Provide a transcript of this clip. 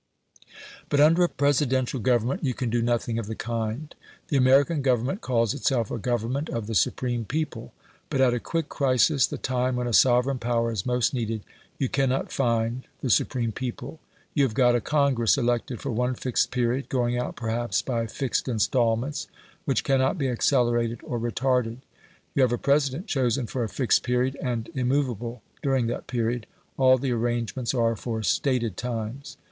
But under a Presidential government you can do nothing of the kind. The American Government calls itself a Government of the supreme people; but at a quick crisis, the time when a sovereign power is most needed, you cannot FIND the supreme people. You have got a Congress elected for one fixed period, going out perhaps by fixed instalments, which cannot be accelerated or retarded you have a President chosen for a fixed period, and immovable during that period: all the arrangements are for STATED times.